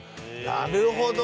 なるほど。